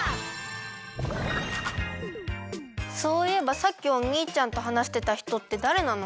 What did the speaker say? そういえばさっきおにいちゃんとはなしてたひとってだれなの？